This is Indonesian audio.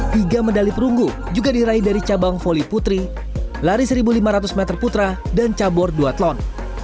tiga medali perunggu juga diraih dari cabang voli putri lari satu lima ratus meter putra dan cabur duatlon